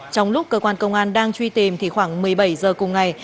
trong lúc cơ quan công an đang truy tìm thì khoảng một mươi bảy giờ cùng ngày